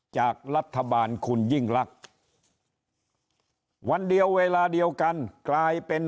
จากรัฐบาลคุณยิ่งลักษณ์วันเดียวเวลาเดียวกันกลายเป็น